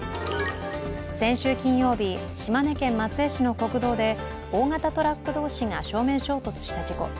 先週金曜日、島根県松江市の国道で大型トラック同士が正面衝突した事故。